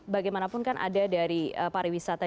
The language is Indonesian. bagaimanapun kan ada dari pariwisata